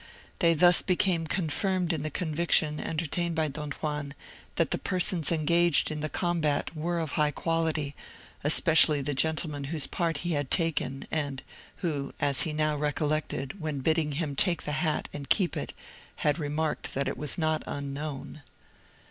They thus became confirmed in the conviction entertained by Don Juan, that the persons engaged in the combat were of high quality, especially the gentleman whose part he had taken, and who, as he now recollected, when bidding him take the hat, and keep it, had remarked that it was not unknown.